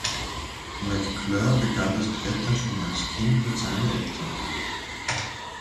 McClure begann das Klettern schon als Kind mit seinen Eltern.